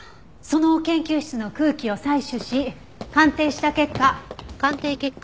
その研究室の空気を採取し鑑定した結果。